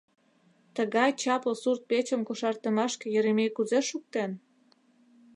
Тыгай чапле сурт-печым кошартымашке Еремей кузе шуктен?